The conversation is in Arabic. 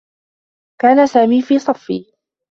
كان سامي في صفّي.